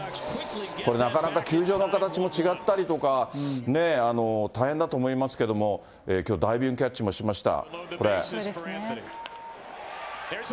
これ、なかなか球場の形も違ったりとか、大変だと思いますけども、きょう、ダイビングキャッチもしました。